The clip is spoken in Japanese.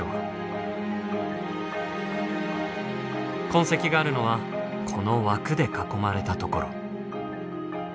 痕跡があるのはこの枠で囲まれたところ。